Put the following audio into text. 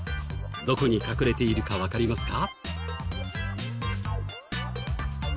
どこに隠れているかわかりますか？